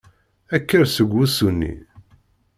Kker seg wusu-nni.